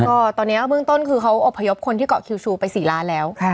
ก็ตอนนี้เบื้องต้นคือเขาอบพยพคนที่เกาะคิวชูไป๔ล้านแล้ว